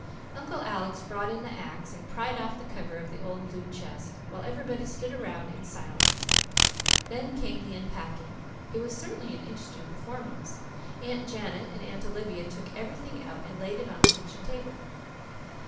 Uncle Alec brought in the axe, and pried off the cover of the old blue chest, while everybody stood around in silence. Then came the unpacking. It was certainly an interesting performance. Aunt Janet and Aunt Olivia took everything out and laid it on the kitchen table.